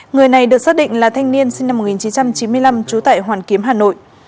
người này được xác định là thanh niên sinh năm một nghìn chín trăm chín mươi năm trú tại hoàn kiếm hà nội